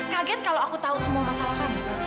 kaget kalau aku tahu semua masalah kami